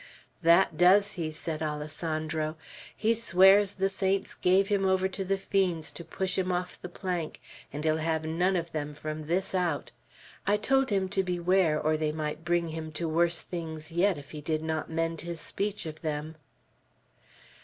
"That does he!" said Alessandro. "He swears the saints gave him over to the fiends to push him off the plank, and he'll have none of them from this out! I told him to beware, or they might bring him to worse things yet if he did not mend his speech of them."